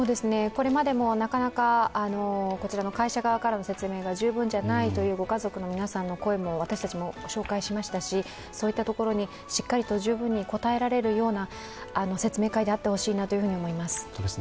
これまでもなかなか会社側からの説明が十分じゃないというご家族の皆さんも声も私たちもご紹介しましたしそういったところにしっかりと十分に応えられるような説明会であってほしいなと思います。